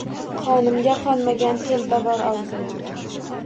Qonimga qonmagan telbavor orzu.